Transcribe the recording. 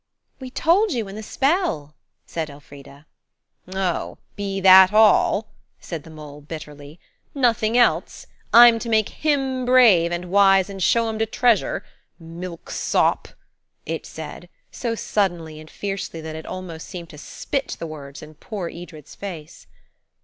"We told you in the spell," said Elfrida. "Oh, be that all?" said the mole bitterly; "nothing else? I'm to make him brave and wise and show him de treasure. Milksop!" it said, so suddenly and fiercely that it almost seemed to spit the words in poor Edred's face.